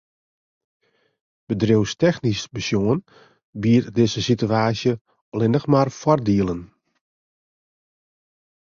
Bedriuwstechnysk besjoen biedt dizze situaasje allinnich mar foardielen.